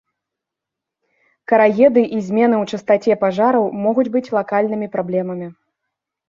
Караеды і змены ў частаце пажараў могуць быць лакальнымі праблемамі.